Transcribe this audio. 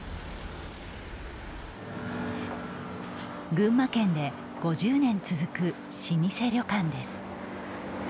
群馬県で５０年続く老舗旅館です。